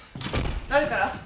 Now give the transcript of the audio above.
誰から？